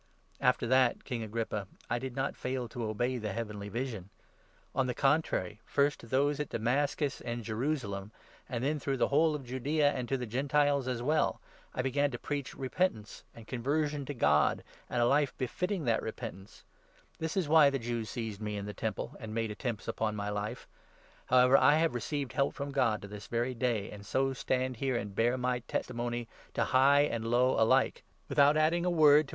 After that, King Agrippa, I did not fail to 19 obey the heavenly vision ; on the contrary, first to those at 20 Damascus and Jerusalem, and then through the whole of Judaea, and to the Gentiles as well, I began to preach repent ance and conversion to God, and a life befitting that repentance. This is why the Jews seized me in the Temple, and made 21 attempts upon my life. However I have received help from 22 God to this very day, and so stand here, and bear my testimony to high and low alike — without adding a word to J« Ezelc. a. i. " i Chron. 16. 35. 17—18 Jga. 42. 7( ,e; Deut. 33. 3, 4.